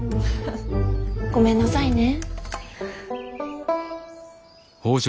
ごめんなさいね。